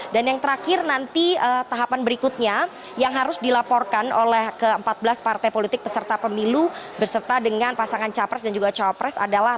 dan yang terakhir nanti tahapan berikutnya yang harus dilaporkan oleh keempat belas partai politik peserta pemilu berserta dengan pasangan capres dan juga capres adalah